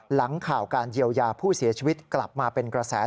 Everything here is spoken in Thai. หลังข่าวการเยียวยาผู้เสียชีวิตกลับมาเป็นกระแส